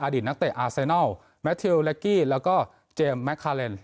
ตนักเตะอาเซนัลแมททิวและกี้แล้วก็เจมส์แมคคาเลน